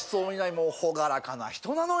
もう朗らかな人なのよ